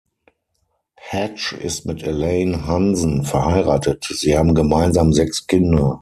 Hatch ist mit Elaine Hansen verheiratet; sie haben gemeinsam sechs Kinder.